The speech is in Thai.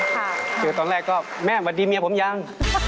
เกี่ยวกับตอนแรกก็แม่วันนี้เมียผมยัง